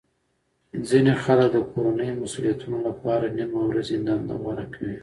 ځینې خلک د کورنۍ مسولیتونو لپاره نیمه ورځې دنده غوره کوي